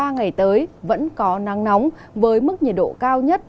ba ngày tới vẫn có nắng nóng với mức nhiệt độ cao nhất